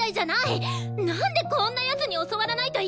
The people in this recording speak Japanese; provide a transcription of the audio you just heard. なんでこんな奴に教わらないといけないのよ！